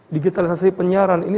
digitalisasi penyiaran ini